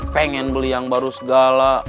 pengen beli yang baru segala